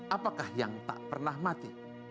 apakah yang tak pernah mati